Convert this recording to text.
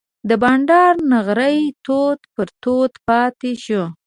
د بانډار نغری تود پر تود پاتې شو.